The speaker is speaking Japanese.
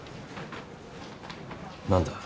何だ？